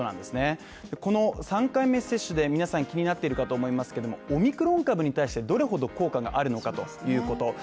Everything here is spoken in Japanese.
そこの３回目接種で皆さん気になっているかと思いますけども、オミクロン株に対してどれほど効果があるのかということ。